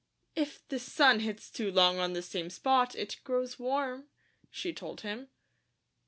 "If this sun hits too long on the same spot, it grows warm," she told him.